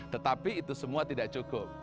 tetapi itu semua tidak cukup